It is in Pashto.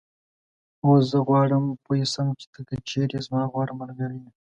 اوس زه غواړم پوی شم چې ته که چېرې زما غوره ملګری یې